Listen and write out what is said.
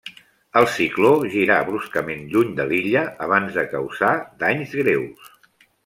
El cicló girà bruscament lluny de l'illa, abans de causar danys greus.